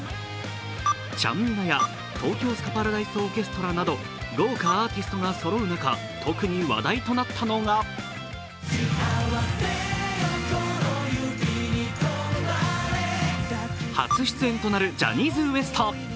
ちゃんみなや東京スカパラダイスオーケストラなど、豪華アーティストがそろう中、特に話題となったのが初出演となるジャニーズＷＥＳＴ。